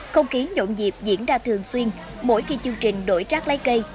không khí nhộn nhịp diễn ra thường xuyên mỗi khi chương trình đổi trác lấy cây